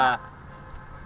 thầy thị phạm hả